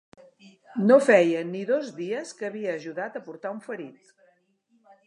No feia ni dos dies que havia ajudat a portar un ferit